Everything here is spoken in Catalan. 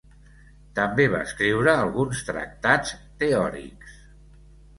També va escriure alguns tractats teòrics.